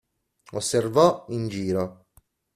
Osservò in giro.